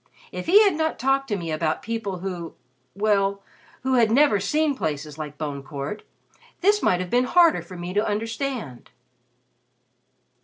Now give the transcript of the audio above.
If he had not talked to me about people who well, who had never seen places like Bone Court this might have been harder for me to understand."